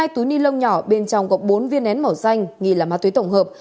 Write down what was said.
hai túi ni lông nhỏ bên trong gọp bốn viên nén màu xanh ghi là ma túy tổng hợp